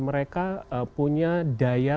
mereka punya daya